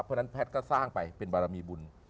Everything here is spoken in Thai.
เพราะฉะนั้นแพทย์ก็สร้างไปเป็นบารมีบุญ